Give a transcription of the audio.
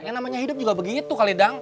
yang namanya hidup juga begitu kali adang